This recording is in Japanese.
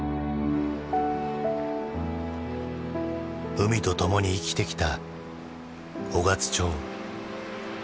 海と共に生きてきた雄勝町。